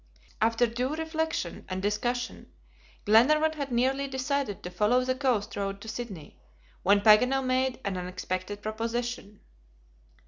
After due reflection and discussion, Glenarvan had nearly decided to follow the coast road to Sydney, when Paganel made an unexpected proposition.